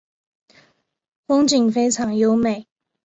风景非常优美。